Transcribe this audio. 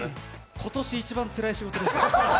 今年一番つらい仕事でしたね。